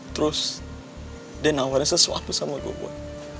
terus dia nawarin sesuatu sama gue buat